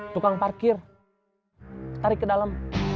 tukang parkir tarik ke dalam